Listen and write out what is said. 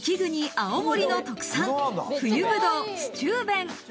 青森の特産、冬ぶどう・スチューベン。